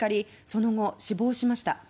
その後、死亡しました。